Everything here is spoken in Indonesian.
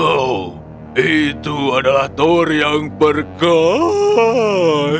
oh itu adalah thor yang berkhaaaaa